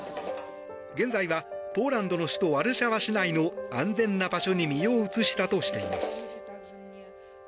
現在はポーランドの首都ワルシャワ市内の安全な場所に身を移したとしています。